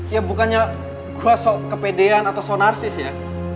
ya bukannya gue sok kepedean atau sok narsis ya